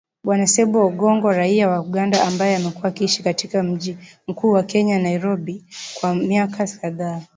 Bwana Ssebbo Ogongo, raia wa Uganda, ambaye amekuwa akiishi katika mji mkuu wa Kenya, Nairobi, kwa miaka kadhaa.